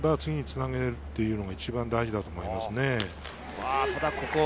できれば次につなげるっていうのが一番大事だと思いますね。